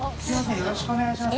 よろしくお願いします。